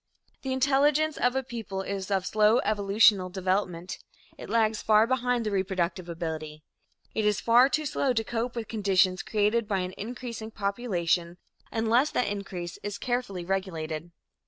The intelligence of a people is of slow evolutional development it lags far behind the reproductive ability. It is far too slow to cope with conditions created by an increasing population, unless that increase is carefully regulated.